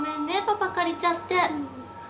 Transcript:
パパ借りちゃって。